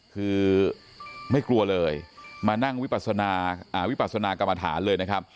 คือไม่กลัวเลยมานั่งวิปัสนากรรมฐานเลยนะครับ